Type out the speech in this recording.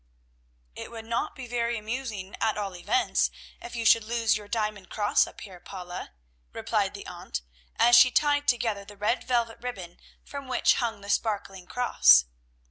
"It would not be very amusing, at all events, if you should lose your diamond cross up here, Paula," replied the aunt, as she tied together the red velvet ribbon from which hung the sparkling cross.